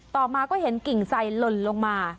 ต่อมาก็เห็นกิ่งไซดหล่นลงมา